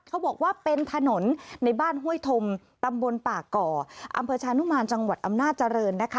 เขาบอกว่าเป็นถนนในบ้านห้วยธมตำบลป่าก่ออำเภอชานุมานจังหวัดอำนาจเจริญนะคะ